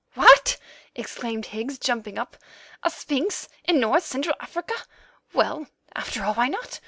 "What!" exclaimed Higgs, jumping up, "a sphinx in North Central Africa! Well, after all, why not?